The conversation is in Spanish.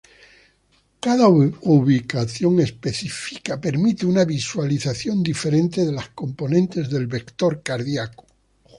Cada ubicación específica permite una visualización diferente de las componentes del vector cardíaco.